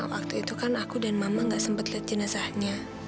waktu itu kan aku dan mama gak sempat lihat jenazahnya